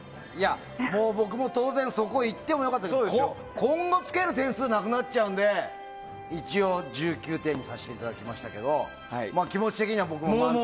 僕も当然そこ行っても良かったけど今後、つける点数がなくなっちゃうので一応、１０点と９点にさせてもらいましたけど気持ち的には僕も満点。